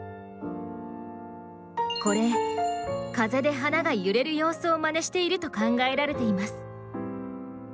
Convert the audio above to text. これ風で花が揺れる様子をマネしていると考えられています。